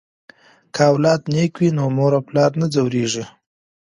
که اولاد نیک وي نو مور او پلار نه ځورېږي.